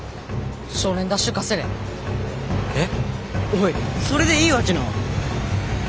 おいそれでいいわけなぁ？